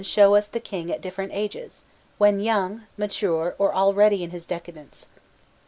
Those of Khephren show us the king at different ages, when young, mature, or already in his decadence.